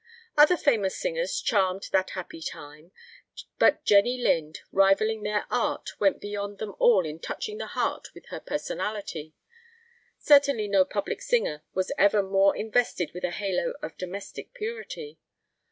Other famous singers charmed that happy time. But Jenny Lind, rivalling their art, went beyond them all in touching the heart with her personality. Certainly no public singer was ever more invested with a halo of domestic purity.